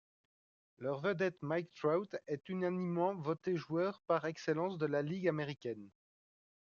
Leur vedette Mike Trout est unanimement voté joueur par excellence de la Ligue américaine.